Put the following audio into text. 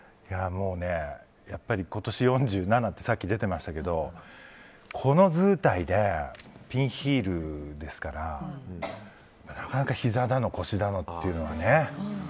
やっぱり今年４７ってさっき出てましたけどこの図体でピンヒールですからなかなかひざだの腰だのというのはね。